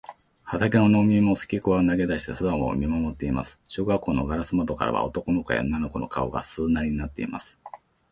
畑の農民もすきくわを投げだして空を見まもっています。小学校のガラス窓からは、男の子や女の子の顔が、鈴なりになっています。